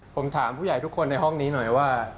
ผมถามผู้ใหญ่ทุกคนในห้องนี้หน่อยว่า